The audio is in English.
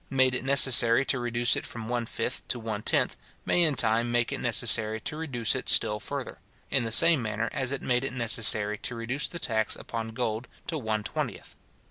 made it necessary to reduce it from one fifth to one tenth, may in time make it necessary to reduce it still further; in the same manner as it made it necessary to reduce the tax upon gold to one twentieth.